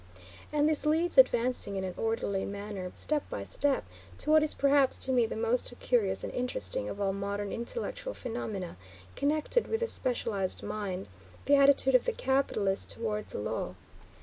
And this leads, advancing in an orderly manner step by step, to what is, perhaps, to me, the most curious and interesting of all modern intellectual phenomena connected with the specialized mind, the attitude of the capitalist toward the law.